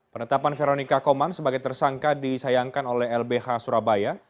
penetapan veronica koman sebagai tersangka disayangkan oleh lbh surabaya